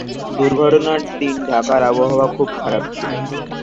দুর্ঘটনার দিন ঢাকার আবহাওয়া খুব খারাপ ছিল।